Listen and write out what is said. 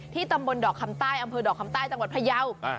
ตำบลดอกคำใต้อำเภอดอกคำใต้จังหวัดพยาว